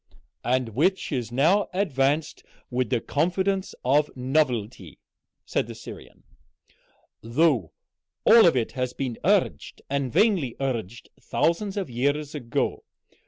"And which is now advanced with the confidence of novelty," said the Syrian, "though all of it has been urged, and vainly urged, thousands of years ago.